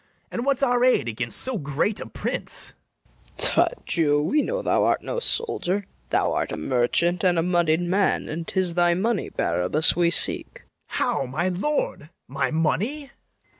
And what's our aid against so great a prince? FIRST KNIGHT. Tut, Jew, we know thou art no soldier: Thou art a merchant and a money'd man, And 'tis thy money, Barabas, we seek. BARABAS. How, my lord! my money!